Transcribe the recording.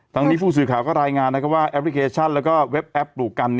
ตอนนี้ผู้สื่อข่าวก็รายงานว่าแอปพลิเคชันและเว็บแอปปลูกกัน